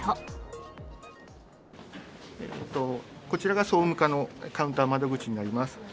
こちらが総務課のカウンター窓口になります。